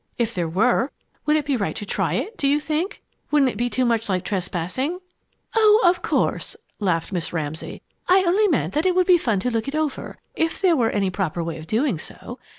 "If there were would it be right to try it, do you think? Wouldn't it be too much like trespassing?" "Oh, of course!" laughed Miss Ramsay. "I only meant that it would be fun to look it over, if there were any proper way of doing so.